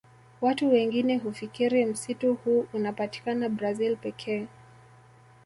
Watu wengine hufikiri msitu huu unapatikana Brazil pekee